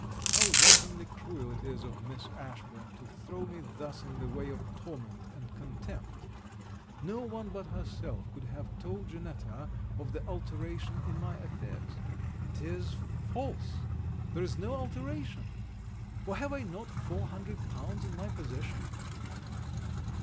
How wantonly cruel it is of Miss Ashburn to throw me thus in the way of torment and contempt! No one but herself could have told Janetta of the alteration in my affairs. 'Tis false! there is no alteration: for have I not four hundred pounds in my possession?